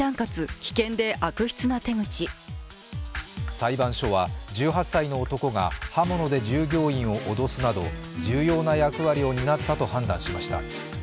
裁判所は１８歳の男が刃物で従業員を脅すなど重要な役割を担ったと判断しました。